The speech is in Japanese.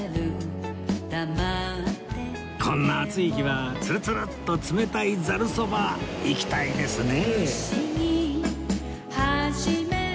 こんな暑い日はツルツルッと冷たいざるそばいきたいですね！